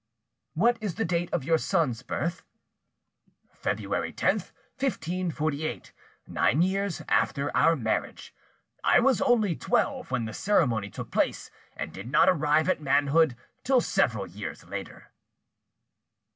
"What is the date of your son's birth?" "February 10, 1548, nine years after our marriage. I was only twelve when the ceremony took place, and did not arrive at manhood till several years later."